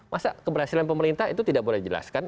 masa keberhasilan pemerintah itu tidak boleh dijelaskan